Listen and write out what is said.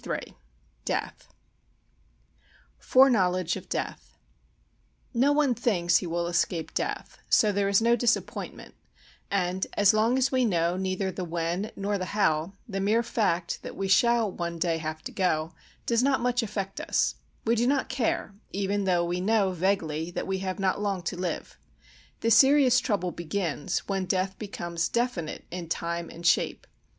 XXIII Death Fore knowledge of Death No one thinks he will escape death, so there is no disappointment and, as long as we know neither the when nor the how, the mere fact that we shall one day have to go does not much affect us; we do not care, even though we know vaguely that we have not long to live. The serious trouble begins when death becomes definite in time and shape.